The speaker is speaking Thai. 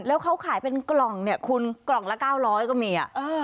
แล้วเขาขายเป็นกล่องเนี่ยคุณกล่องละ๙๐๐ก็มี